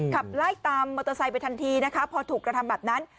ขับไล่ตามมอเตอร์ไซค์ไปทันทีนะคะพอถูกกระทำแบบนั้น